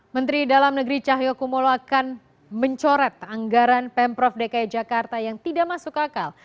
menteri dalam negeri cahyokumolo akan mencoret anggaran pemprov dki jakarta yang tidak masuk akal